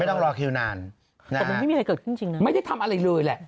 ไม่ต้องรอขึงห้ามจงไม่ได้ทำอะไรเลยแหละ